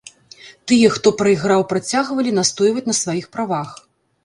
Тыя хто прайграў працягвалі настойваць на сваіх правах.